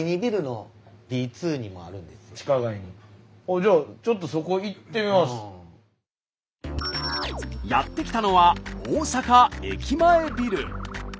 じゃあちょっとやって来たのは大阪駅前ビル。